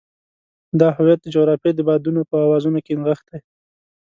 دا هویت د جغرافیې د بادونو په اوازونو کې نغښتی.